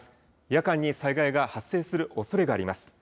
夜間に災害が発生するおそれがあります。